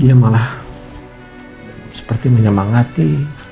dia malah seperti menyemangati